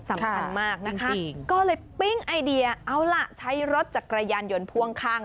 สำคัญมากนะคะก็เลยปิ้งไอเดียเอาล่ะใช้รถจักรยานยนต์พ่วงข้าง